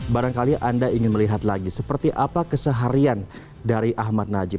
barangkali anda ingin melihat lagi seperti apa keseharian dari ahmad najib